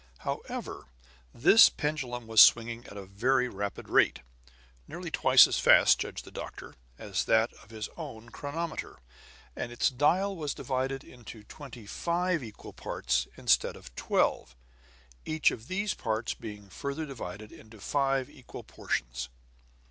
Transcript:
However, this pendulum was swinging at a very rapid rate; nearly twice as fast, judged the doctor, as that of his own chronometer. And its dial was divided into twenty five equal parts, instead of twelve, each of these parts being further divided into five equal portions.